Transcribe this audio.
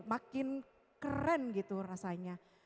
makin keren gitu rasanya